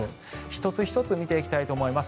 １つ１つ見ていきたいと思います。